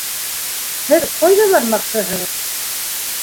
Һеҙ ҡайҙа бармаҡсыһығыҙ?